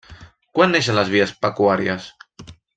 Quan neixen les vies pecuàries?